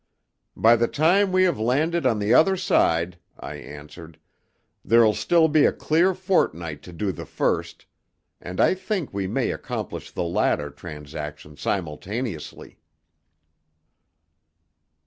"By the time we have landed on the other side," I answered, "there'll still be a clear fortnight to do the first, and I think we may accomplish the latter transaction simultaneously."